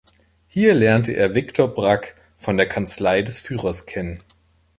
Hier lernte er Viktor Brack von der Kanzlei des Führers kennen.